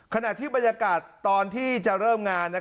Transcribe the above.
ขณะที่บรรยากาศตอนที่จะเริ่มงาน